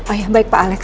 oh iya baik pak alex